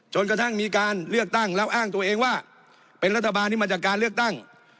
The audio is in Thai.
จนกระทั่งมีการเลือกตั้งแล้วอ้างตัวเองว่าเป็นรัฐบาลที่มาจากการเลือกตั้ง